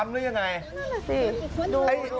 รอปั๊มหรือยังไงนั่นแหละสิ